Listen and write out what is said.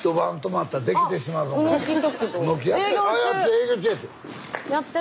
営業中やて。